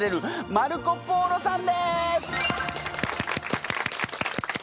マルコ・ポーロさん！